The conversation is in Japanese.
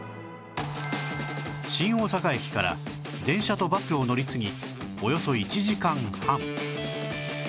新大阪駅から電車とバスを乗り継ぎおよそ１時間半